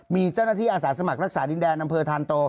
มีเจ้าหน้าที่อาสาสมัครรักษาดินแดนอำเภอธานโต